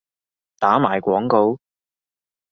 打埋廣告？